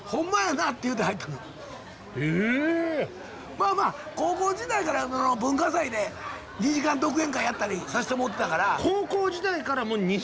まあまあ高校時代から文化祭で２時間独演会やったりさせてもろてたから。